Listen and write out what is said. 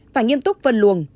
phải nghiêm túc phân luồng